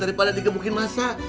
daripada digebukin massa